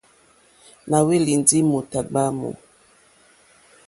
Nà hwélì ndí mòtà ɡbwǎmù.